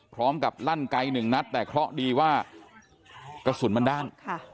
พร้อมกับลั่นไกลหนึ่งนัดแต่เคราะห์ดีว่ากระสุนมันด้าน